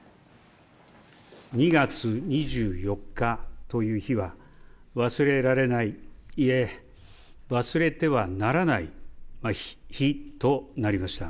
２月２４日という日は、忘れられない、いえ、忘れてはならない日となりました。